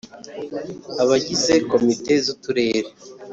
Abagize Komite z Uturere